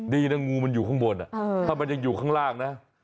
ดีนะงูมันอยู่ข้างบนถ้ามันยังอยู่ข้างล่างนะ